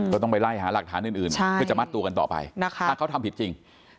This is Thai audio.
ก็ต้องไปไล่หาหลักฐานอื่นเพื่อจะมัดตัวกันต่อไปนะคะถ้าเขาทำผิดจริง